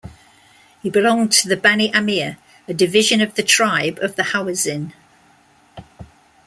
He belonged to the Bani Amir, a division of the tribe of the Hawazin.